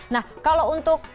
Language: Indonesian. nah kalau untuk